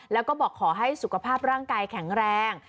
แล้วก็บอกขอให้สุขภาพร่างกายแข็งแรง